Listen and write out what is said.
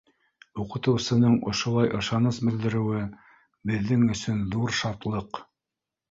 Уҡытыусының ошолай ышаныс белдереүе беҙҙең өсөн ҙур шатлыҡ.